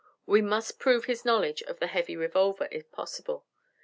We must prove his knowledge of the heavy revolver, if possible.